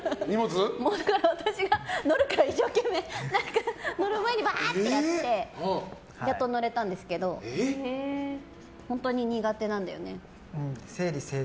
私が乗るから、よけて乗る前にバーってやってやっと乗れたんですけど本当に苦手なんだよね。